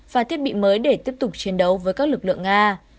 và thiết bị mới để tiếp tục chiến đấu với các lực lượng nga